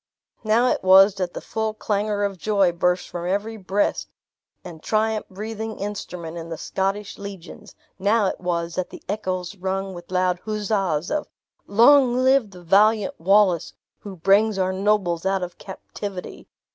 Now it was that the full clangor of joy burst from every breast and triumph breathing instrument in the Scottish legions; now it was that the echoes rung with loud huzzas of "Long live the valiant Wallace, who brings our nobles out of captivity!